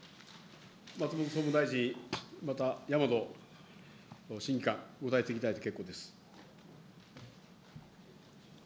松本総務大臣、また、山野審議官、ご退席いただいて結構です。